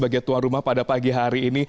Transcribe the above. dia tua rumah pada pagi hari ini